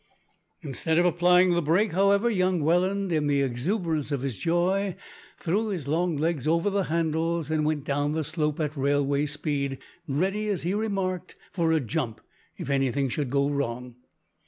Instead of applying the brake, however, young Welland, in the exuberance of his joy, threw his long legs over the handles, and went down the slope at railway speed, ready, as he remarked, for a jump if anything should go wrong.